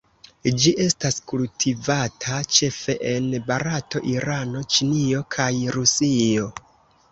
Ĝi estas kultivata ĉefe en Barato, Irano, Ĉinio, kaj Rusio.